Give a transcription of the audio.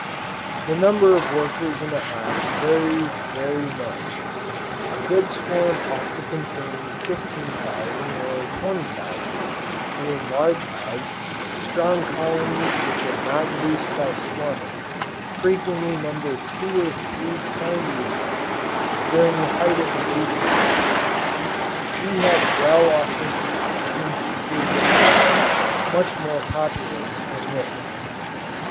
The number of workers in a hive varies very much. A good swarm ought to contain 15,000 or 20,000; and in large hives, strong colonies which are not reduced by swarming, frequently number two or three times as many, during the height of the breeding season. We have well authenticated instances of stocks much more populous than this.